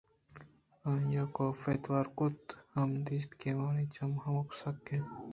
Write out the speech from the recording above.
آئیءَ کاف توار کُت کاف ءَہم دیست کہ آوانی چم ہمد ءَ سکّ اَنت